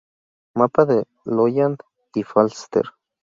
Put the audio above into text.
Mapa de Lolland y Falster